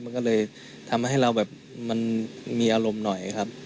มันก็เลยทำให้เราแบบมันมีอารมณ์หน่อยครับ